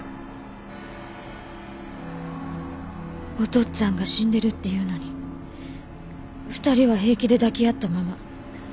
お父っつぁんが死んでるっていうのに２人は平気で抱き合ったまま。